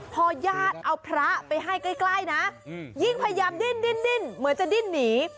พอญาติเอาพระไปให้ใกล้นะยิ่งพยายามดิ้นเหมือนจะดิ้นหนี